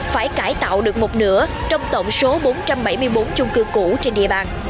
phải cải tạo được một nửa trong tổng số bốn trăm bảy mươi bốn chung cư cũ trên địa bàn